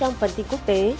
trong phần tin quốc tế